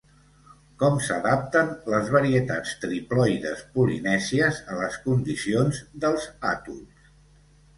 Com s'adapten les varietats triploides polinèsies a les condicions dels atols?